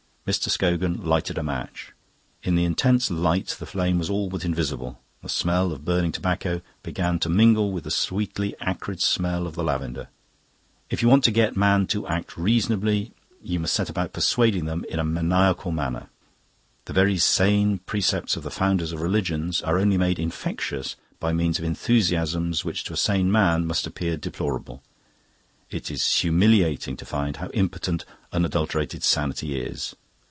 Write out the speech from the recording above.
Mr. Scogan lighted a match. In the intense light the flame was all but invisible. The smell of burning tobacco began to mingle with the sweetly acrid smell of the lavender. "If you want to get men to act reasonably, you must set about persuading them in a maniacal manner. The very sane precepts of the founders of religions are only made infectious by means of enthusiasms which to a sane man must appear deplorable. It is humiliating to find how impotent unadulterated sanity is.